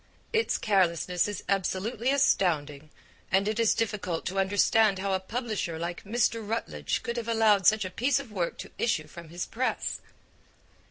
Its carelessness is absolutely astounding, and it is difficult to understand how a publisher like Mr. Routledge could have allowed such a piece of work to issue from his press.